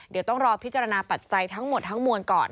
เดี๋ยวต้องรอพิจารณาปัจจัยทั้งหมดทั้งมวลก่อน